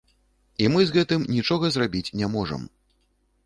І мы з гэтым нічога зрабіць не можам.